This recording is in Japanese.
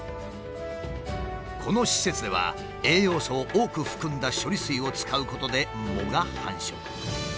この施設では栄養素を多く含んだ処理水を使うことで藻が繁殖。